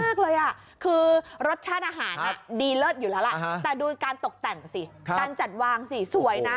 มากเลยอ่ะคือรสชาติอาหารดีเลิศอยู่แล้วล่ะแต่ดูการตกแต่งสิการจัดวางสิสวยนะ